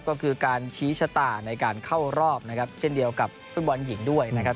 ก็คือการชี้ชะตาในการเข้ารอบนะครับเช่นเดียวกับฟุตบอลหญิงด้วยนะครับ